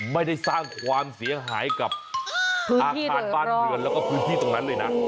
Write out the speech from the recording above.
ไม่ได้สร้างความเสียหายกับอาคารบ้านเรือนแล้วก็พื้นที่ตรงนั้นเลยนะ